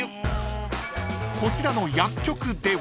［こちらの薬局では］